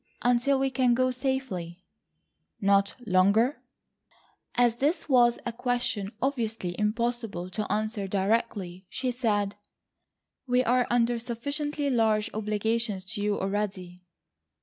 "Until we can go safely." "Not longer?" As this was a question obviously impossible to answer directly she said, "We are under sufficiently large obligations to you already."